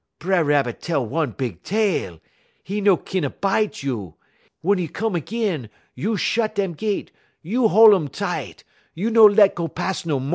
B'er Rabbit tell one big tale. 'E no kin bite a you. Wun 'e come 'g'in, you shed dem gett, you hol' um tight, you no le'm go pas' no mo'.'